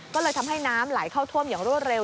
ก็เลยทำให้น้ำไหลเข้าท่วมอย่างรวดเร็ว